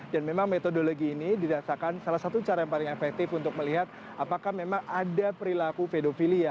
dan memang metodologi ini dirasakan salah satu cara yang paling efektif untuk melihat apakah memang ada perilaku pedofilia